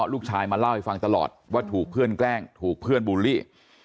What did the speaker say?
ลูกชายมาเล่าให้ฟังตลอดว่าถูกเพื่อนแกล้งถูกเพื่อนบูลลี่